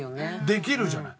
できるじゃない？